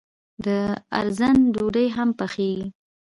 د ارزن ډوډۍ هم پخیږي.